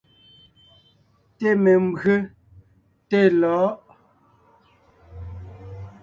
Té membÿe, té lɔ̌ʼ.